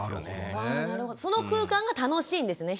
その空間が楽しいんですね